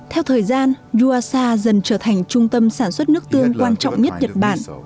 theo thời gian yuasa dần trở thành trung tâm sản xuất nước tương quan trọng nhất nhật bản